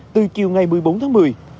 từ chiều ngày một mươi bốn tháng một mươi